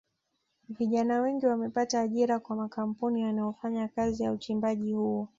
Vijana wengi wamepata ajira kwa makampuni yanayofanya kazi ya uchimbaji huo